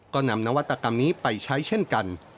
ก็นำนวัตกรรมนี้ไปใช้เช่นกัน